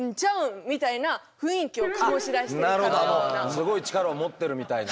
すごい力を持ってるみたいな。